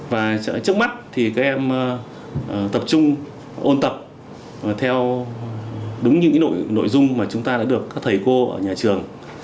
và trước mắt thì các em tập trung ôn tập theo đúng những nội dung mà chúng ta đã được các thầy cô ở nhà trường